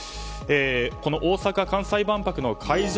この大阪・関西万博の会場